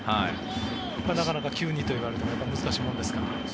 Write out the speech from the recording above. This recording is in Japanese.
なかなか急にといわれても難しいものですか。